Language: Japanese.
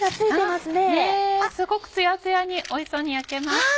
すごくつやつやにおいしそうに焼けました！